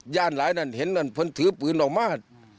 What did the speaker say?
ย่านไหลนั้นเห็นนั่นผู้ทืเปือนเราก็ออกมา